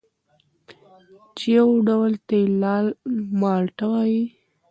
چې یو ډول ته یې لال مالټه وايي